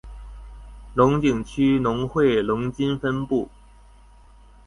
龍井區農會龍津分部